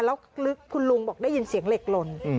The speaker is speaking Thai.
แล้วคุณลุงบอกได้ยินเสียงเหล็กหล่น